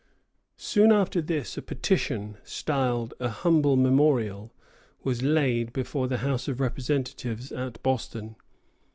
Soon after this, a petition, styled a "Humble Memorial," was laid before the House of Representatives at Boston.